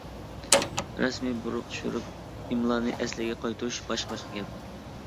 رەسمىي بۇرۇق چۈشۈرۈلۈپ ئىملانى ئەسلىگە قايتۇرۇش باشقا-باشقا گەپ!